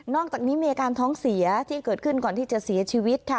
อกจากนี้มีอาการท้องเสียที่เกิดขึ้นก่อนที่จะเสียชีวิตค่ะ